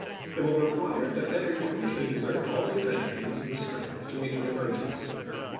.. It will require that every one should exert all his energies and strength to meet the emergency.